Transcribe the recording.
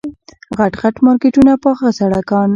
غټ غټ مارکېټونه پاخه سړکان.